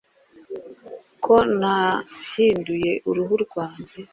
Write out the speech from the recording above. ko nahinduye uruhu rwanjye,